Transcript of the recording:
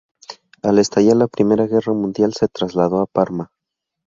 Al estallar la Primera Guerra Mundial se trasladó a Parma.